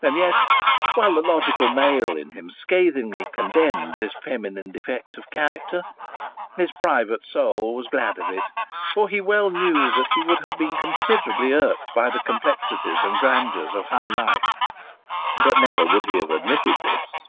And yet, while the logical male in him scathingly condemned this feminine defect of character, his private soul was glad of it, for he well knew that he would have been considerably irked by the complexities and grandeurs of high life. But never would he have admitted this.